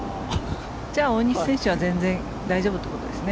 じゃあ大西選手は全然大丈夫ということですね。